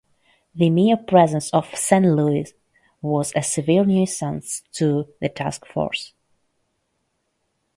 The mere presence of "San Luis" was a severe nuisance to the Task Force.